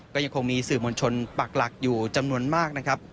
ก็ยังคงมีสื่อมวลชนปักหลักอยู่จำนวนมากนะครับ